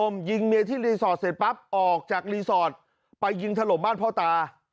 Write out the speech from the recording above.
ยิงเมียที่รีสอร์ทเสร็จปั๊บออกจากรีสอร์ทไปยิงถล่มบ้านพ่อตา